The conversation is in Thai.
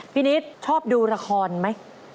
นิดชอบดูละครไหม